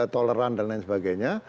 toleran dan lain sebagainya